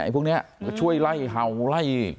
พวกนี้ก็ช่วยไล่เห่าไล่